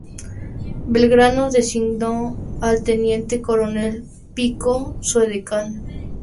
Belgrano designó al teniente coronel Pico su edecán.